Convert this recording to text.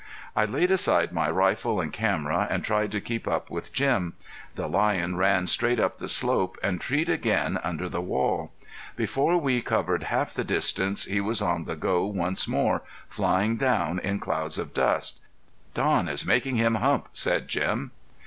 I laid aside my rifle and camera and tried to keep up with Jim. The lion ran straight up the slope and treed again under the wall. Before we covered half the distance he was on the go once more, flying down in clouds of dust. "Don is makin' him hump," said Jim.